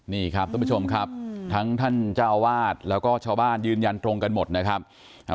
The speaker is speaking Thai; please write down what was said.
นี่ครับท่านผู้ชมครับทั้งท่านเจ้าอาวาสแล้วก็ชาวบ้านยืนยันตรงกันหมดนะครับ